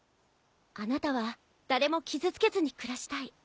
あなたは誰も傷つけずに暮らしたい。